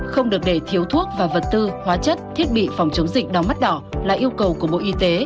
không được để thiếu thuốc và vật tư hóa chất thiết bị phòng chống dịch đau mắt đỏ là yêu cầu của bộ y tế